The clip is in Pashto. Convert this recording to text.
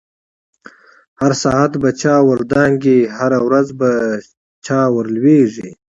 هر ساعت په چاور دانگی، هره ورځ په چا ورلویږی